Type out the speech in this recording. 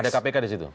ada kpk di situ